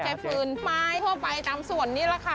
ฟืนไม้ทั่วไปตามส่วนนี้แหละค่ะ